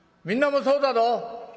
みんなもそうだろ？